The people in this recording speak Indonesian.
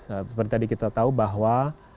seperti tadi kita tahu bahwa